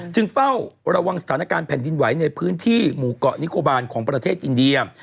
เฝ้าระวังสถานการณ์แผ่นดินไหวในพื้นที่หมู่เกาะนิโคบาลของประเทศอินเดีย